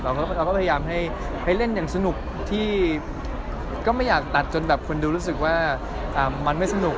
เราก็พยายามให้เล่นอย่างสนุกที่ก็ไม่อยากตัดจนแบบคนดูรู้สึกว่ามันไม่สนุก